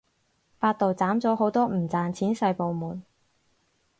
百度斬咗好多唔賺錢細部門